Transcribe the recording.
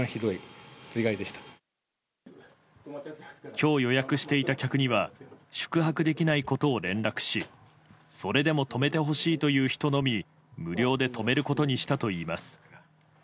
今日予約していた客には宿泊できないことを連絡しそれでも泊めてほしいという人のみ無料で泊めることにしたといいます。